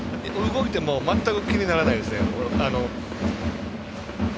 動いても全く気にならないです。